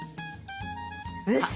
うそ！